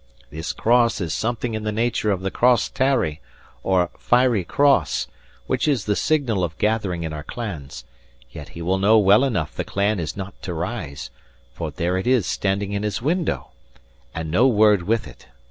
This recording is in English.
This cross is something in the nature of the crosstarrie, or fiery cross, which is the signal of gathering in our clans; yet he will know well enough the clan is not to rise, for there it is standing in his window, and no word with it.